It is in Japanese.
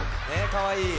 かわいい。